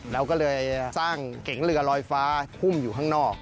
เราก็เลยสร้างเก๋งเรือลอยฟ้าหุ้มอยู่ข้างนอก